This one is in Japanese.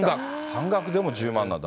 半額でも１０万なんだ。